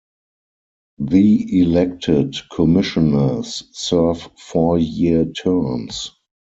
The elected commissioners serve four-year terms.